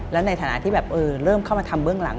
แล้วในฐานะที่แบบเริ่มเข้ามาทำเบื้องหลัง